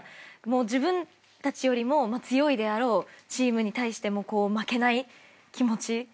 もう自分たちよりも強いであろうチームに対しても負けない気持ち。